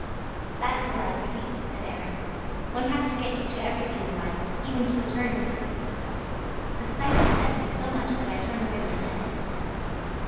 'That is where I sleep,' said Erik. 'One has to get used to everything in life, even to eternity.' The sight upset me so much that I turned away my head.